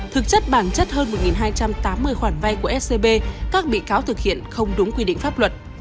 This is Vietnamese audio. thực chất bản chất hơn một hai trăm tám mươi khoản vay của scb các bị cáo thực hiện không đúng quy định pháp luật